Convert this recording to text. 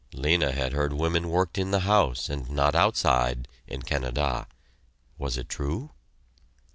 Lena had heard women worked in the house, and not outside, in Canada was it true?